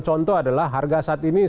contoh adalah harga saat ini